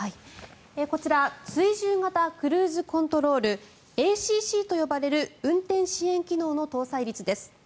こちら追従型クルーズコントロールＡＣＣと呼ばれる運転支援機能の搭載率です。